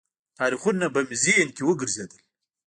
تاریخونه به مې ذهن کې وګرځېدل.